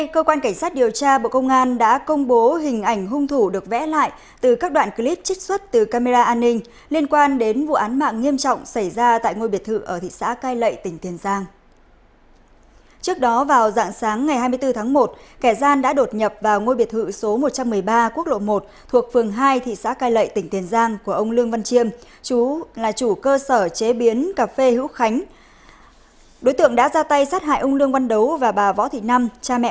các bạn hãy đăng ký kênh để ủng hộ kênh của chúng mình nhé